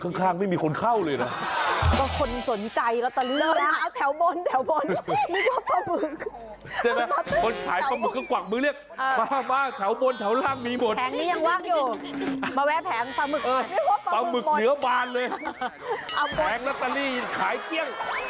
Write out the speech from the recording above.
คือคลักเลยน่ะอย่างงี้ต้องรีบไปน่ะไม่งั้นไปช้าตรงเนี่ยแผงนี้ขายคี่